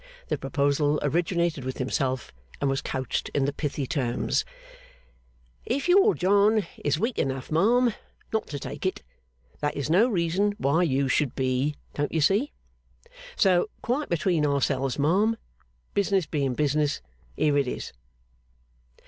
The proposal originated with himself, and was couched in the pithy terms, 'If your John is weak enough, ma'am, not to take it, that is no reason why you should be, don't you see? So, quite between ourselves, ma'am, business being business, here it is!